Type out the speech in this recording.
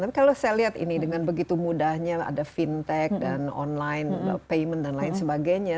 tapi kalau saya lihat ini dengan begitu mudahnya ada fintech dan online payment dan lain sebagainya